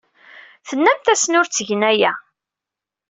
Tennamt-asen ur ttgen aya.